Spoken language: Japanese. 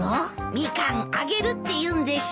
ミカンあげるって言うんでしょ？